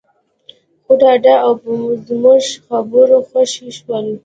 خو ډاډه او په زموږ خبرو خوښ شول.